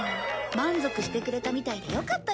満足してくれたみたいでよかったよ。